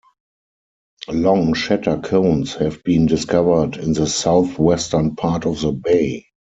Long shatter cones have been discovered in the southwestern part of the bay.